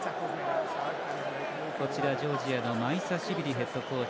ジョージアのマイサシビリヘッドコーチ